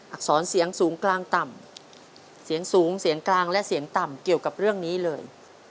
อักษรเสียงสูงกลางต่ำเสียงสูงเสียงกลางและเสียงต่ำเกี่ยวกับเรื่องนี้เลย